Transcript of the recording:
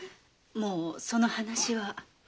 もうその話は。